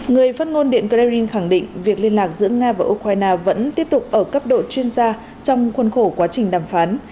người phát ngôn điện krem khẳng định việc liên lạc giữa nga và ukraine vẫn tiếp tục ở cấp độ chuyên gia trong khuôn khổ quá trình đàm phán